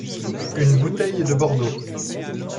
Une bouteille de Bordeaux.